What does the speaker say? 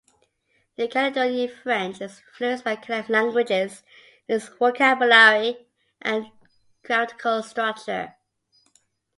New Caledonian French is influenced by Kanak languages in its vocabulary and grammatical structure.